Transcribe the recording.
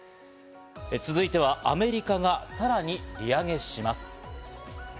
続いてはアメリカがさらに利上げします。